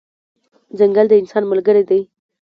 ځنګل د انسان ملګری دی.